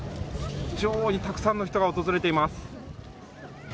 非常にたくさんの人が訪れています。